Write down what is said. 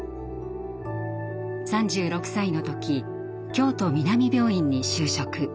３６歳の時京都南病院に就職。